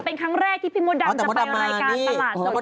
เป็นครั้งแรกที่พี่มดดำจะไปรายการตลาดสด